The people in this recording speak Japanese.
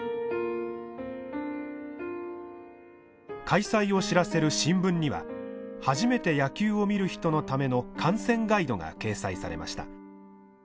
開催を知らせる新聞には初めて野球を見る人のための観戦ガイドが掲載されました。